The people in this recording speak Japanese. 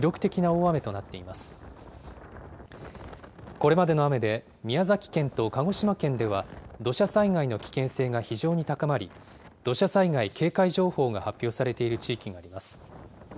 これまでの雨で、宮崎県と鹿児島県では、土砂災害の危険性が非常に高まり、土砂災害警戒情報が発表されている地域があります。